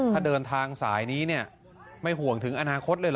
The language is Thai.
ถ้าเดินทางสายนี้เนี่ยไม่ห่วงถึงอนาคตเลยเห